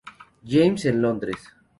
James en Londres.